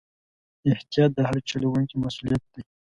احتیاط د هر چلوونکي مسؤلیت دی.